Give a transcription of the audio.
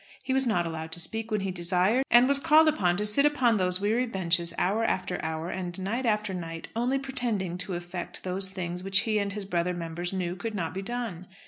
He was not allowed to speak when he desired, and was called upon to sit upon those weary benches hour after hour, and night after night, only pretending to effect those things which he and his brother members knew could not be done.